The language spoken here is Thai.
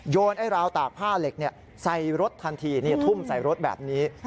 ไอ้ราวตากผ้าเหล็กใส่รถทันทีทุ่มใส่รถแบบนี้